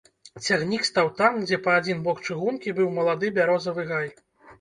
Цягнік стаў там, дзе па адзін бок чыгункі быў малады бярозавы гай.